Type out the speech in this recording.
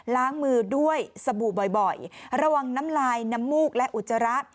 ล้างมือด้วยสบู่บ่อยระวังน้ำลายน้ำมูกและอุจจาระ